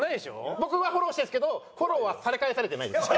僕はフォローしてるんですけどフォローはされ返されてないです。